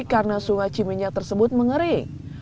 karena sungai ciminya tersebut mengering